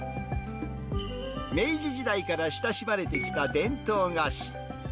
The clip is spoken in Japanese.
明治時代から親しまれてきた伝統菓子。